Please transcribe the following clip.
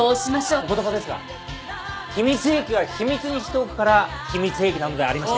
お言葉ですが秘密兵器は秘密にしておくから秘密兵器なのでありまして。